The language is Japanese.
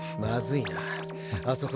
まずいなあ